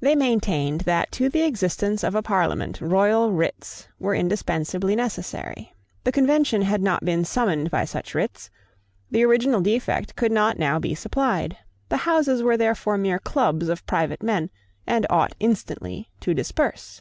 They maintained that to the existence of a Parliament royal writs were indispensably necessary. The Convention had not been summoned by such writs: the original defect could not now be supplied: the Houses were therefore mere clubs of private men, and ought instantly to disperse.